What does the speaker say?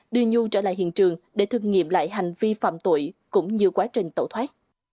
đưa nhu trở lại hiện trường để thử nghiệm lại hành vi phạm tội cũng như quá trình tẩu thoát